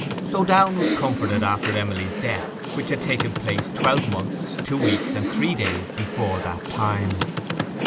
So Downe was comforted after his Emily's death, which had taken place twelve months, two weeks, and three days before that time.